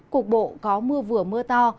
cục bộ có mưa vừa mưa to